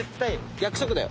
約束だよ。